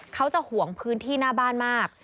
เขาจะห่วงพื้นที่หน้าบ้านมาก